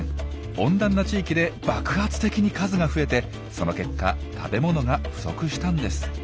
温暖な地域で爆発的に数が増えてその結果食べ物が不足したんです。